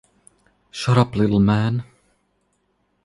Shut Up, Little Man!